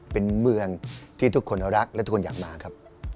เป็นเมืองที่ทุกคนรักและทุกคนอยากมาครับ